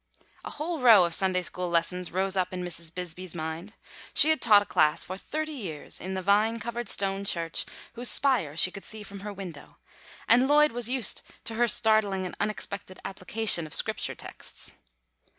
A whole row of Sunday school lessons rose up in Mrs. Bisbee's mind. She had taught a class for thirty years in the vine covered stone church whose spire she could see from her window, and Lloyd was used to her startling and unexpected application of Scripture texts.